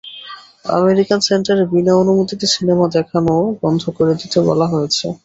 American সেন্টারে বিনা অনুমতিতে সিনেমা দেখানোও বন্ধ করে দিতে বলা হয়েছে।